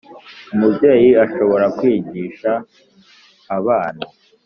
Umubyeyi ashobora kwigisha abana